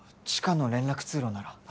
地下の連絡通路なら。